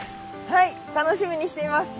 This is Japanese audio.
はい楽しみにしています。